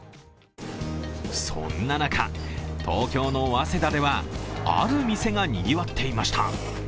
そんな中、東京の早稲田では、ある店がにぎわっていました。